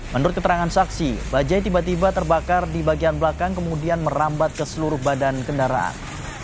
menurut keterangan saksi bajai tiba tiba terbakar di bagian belakang kemudian merambat ke seluruh badan kendaraan